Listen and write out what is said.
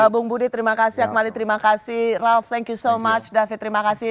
bung budi terima kasih akmali terima kasih ralf thank you so much david terima kasih